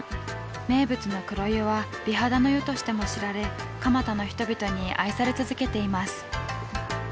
名物の黒湯は美肌の湯としても知られ蒲田の人々に愛され続けています。